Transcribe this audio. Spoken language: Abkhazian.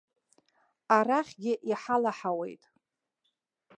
Арахьгьы иҳалаҳауеит!